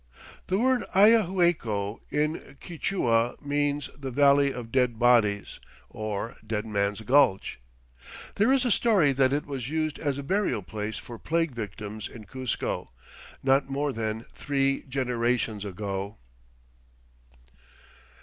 The word Ayahuaycco in Quichua means "the valley of dead bodies" or "dead man's gulch." There is a story that it was used as a burial place for plague victims in Cuzco, not more than three generations ago!